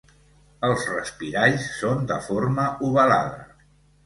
Els respiralls són de forma ovalada.